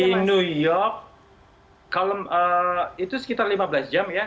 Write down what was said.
di new york itu sekitar lima belas jam ya